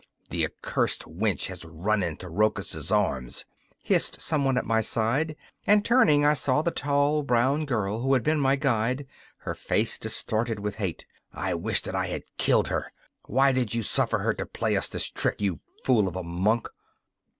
'The accurst wench has run into Rochus' arms,' hissed someone at my side, and, turning, I saw the tall brown girl who had been my guide, her face distorted with hate. 'I wish that I had killed her. Why did you suffer her to play us this trick, you fool of a monk?